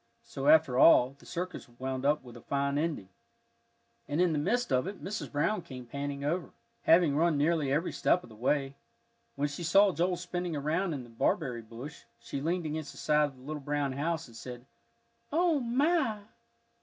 So after all, the circus wound up with a fine ending. And in the midst of it Mrs. Brown came panting over, having run nearly every step of the way. When she saw Joel spinning around in The Barberry Bush, she leaned against the side of the little brown house, and said, "O my!"